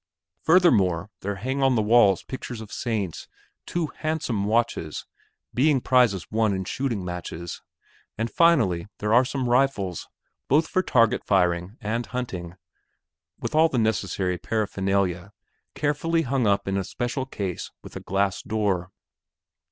Furthermore there hang on the walls pictures of saints, two handsome watches, being prizes won in shooting matches, and finally there are some rifles both for target firing and hunting, with all the necessary paraphernalia, carefully hung up in a special case with a glass door.